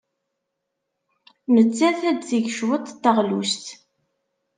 Nettat ad d-teg cwiṭ n teɣlust.